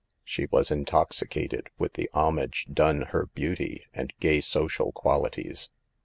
She was intoxicated with the homage done her beauty and gay social quali ties.